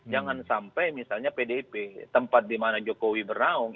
jangan sampai misalnya pdip tempat dimana jokowi bernaung